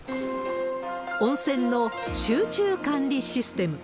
温泉の集中管理システム。